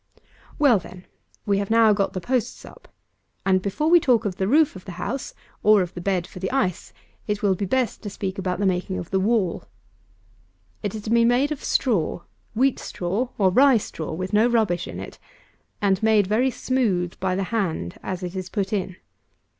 244. Well, then, we have now got the posts up; and, before we talk of the roof of the house, or of the bed for the ice, it will be best to speak about the making of the wall. It is to be made of straw, wheat straw, or rye straw, with no rubbish in it, and made very smooth by the hand as it is put in.